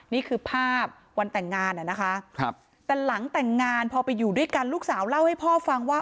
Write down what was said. นี่คือภาพวันแต่งงานนะคะแต่หลังแต่งงานพอไปอยู่ด้วยกันลูกสาวเล่าให้พ่อฟังว่า